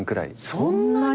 そんなに！？